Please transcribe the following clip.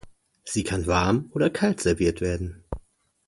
Sie kann warm oder kalt serviert werden.